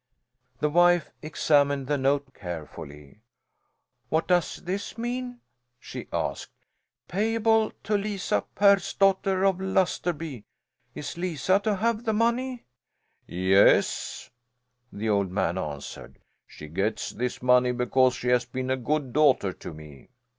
The wife examined the note carefully. "What does this mean?" she asked "'Payable to Lisa Persdotter of Lusterby' is Lisa to have the money?" "Yes," the old man answered. "She gets this money because she has been a good daughter to me."